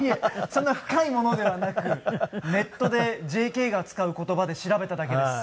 そんな深いものではなくネットでＪＫが使う言葉で調べただけです。